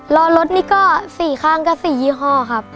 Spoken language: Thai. รอรถนี่ก็๔ข้างก็๔ยี่ห้อครับ